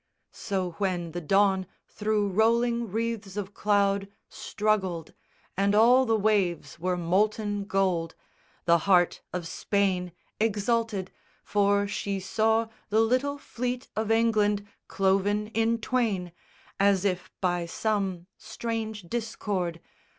So when the dawn thro' rolling wreaths of cloud Struggled, and all the waves were molten gold, The heart of Spain exulted, for she saw The little fleet of England cloven in twain As if by some strange discord.